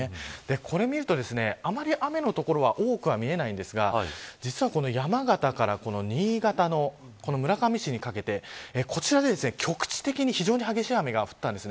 これを見るとあまり雨の所が多くないんですが実は山形から新潟の村上市にかけてこちらで局地的に非常に激しい雨が降ったんです。